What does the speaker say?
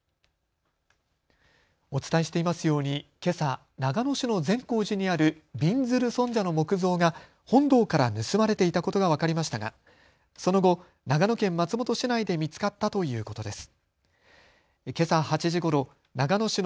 お伝えしていますようにけさ長野市の善光寺にあるびんずる尊者の木像が本堂から盗まれていたことが分かりましたがその後、長野県松本市内で見つかったということです。